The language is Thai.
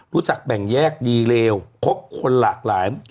แบ่งแยกดีเลวพบคนหลากหลาย